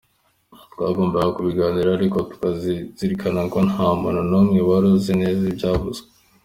Twagombaga kubiganiraho ariko tunazirikana ko nta muntu n’umwe wari uzi neza ibyavuzwe.